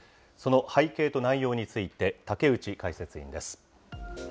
その背景と内容について、竹内解説委員です。